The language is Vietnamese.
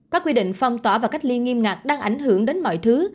các quy định phong tỏa và cách ly nghiêm ngặt đang ảnh hưởng đến mọi thứ